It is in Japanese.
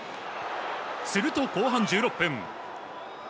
すると後半１６分。